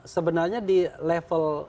sebenarnya di level